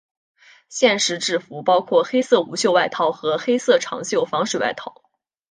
现时制服包括黑色无袖外套和黑色长袖防水外套。